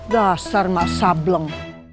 dasar mak sableng